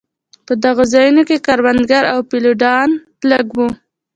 په دغو ځایو کې کروندګر او فیوډالان لږ وو.